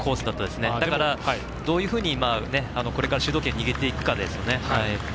だから、どういうふうにこれから主導権握っていくかですよね。